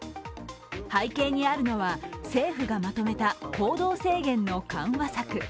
背景にあるのは、政府がまとめた行動制限の緩和策。